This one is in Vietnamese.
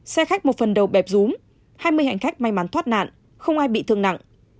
xe khách một phần đầu bẹp rúm hai mươi hành khách may mắn thoát nạn không ai bị thương nặng